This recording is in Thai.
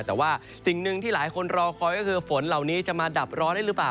แต่ว่าสิ่งหนึ่งที่หลายคนรอคอยก็คือฝนเหล่านี้จะมาดับร้อนได้หรือเปล่า